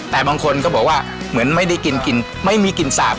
แต่บางคนก็บอกว่าเหมือนไม่ได้กินกลิ่นไม่มีกลิ่นสาบ